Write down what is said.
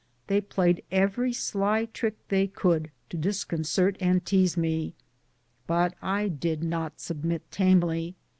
They played every sly trick they could to disconcert and tease me. I did not submit tamely.